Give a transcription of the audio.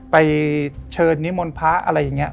ไปเชิญนิมนต์พระอะไรอย่างนี้